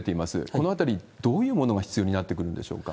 このあたり、どういうものが必要になってくるんでしょうか？